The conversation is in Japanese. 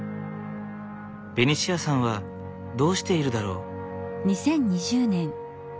ベニシアさんはどうしているだろう。